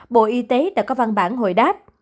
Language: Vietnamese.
bộ y tế đã có văn bản hồi đáp